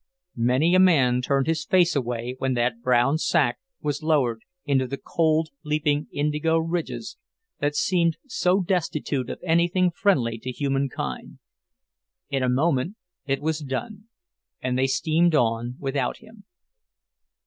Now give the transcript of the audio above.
Many a man turned his face away when that brown sack was lowered into the cold, leaping indigo ridges that seemed so destitute of anything friendly to human kind. In a moment it was done, and they steamed on without him.